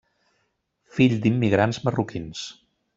Fill d’immigrants marroquins.